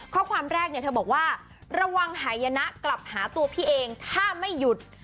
ข้อความแรกเนี่ยเธอบอกว่าระวังหายนะกลับหาตัวพี่เองถ้าไม่หยุด